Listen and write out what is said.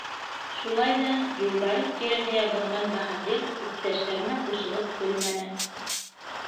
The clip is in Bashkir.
Шулай ҙа «Юлбарыҫ тиреһе ябынған баһадир» иптәштәренә ҡушылып көлмәне.